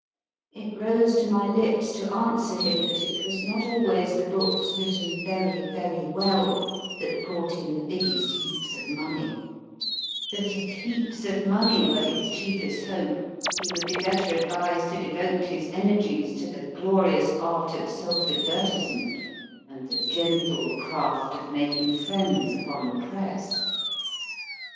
It rose to my lips to answer him that it was not always the books written very, very well that brought in the biggest heaps of money ; that if heaps of money were his chiefest hope he would be better advised to devote his energies to the glorious art of self advertise ment and the gentle craft of making friends upon the Press.